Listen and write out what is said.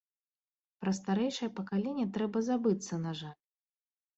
Пра старэйшае пакаленне трэба забыцца, на жаль.